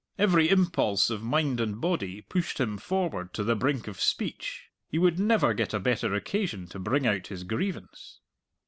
Every impulse of mind and body pushed him forward to the brink of speech; he would never get a better occasion to bring out his grievance.